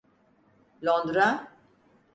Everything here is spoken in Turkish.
Londra…